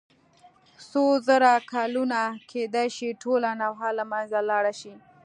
څو زره کلونه کېدای شي ټوله نوعه له منځه لاړه شي.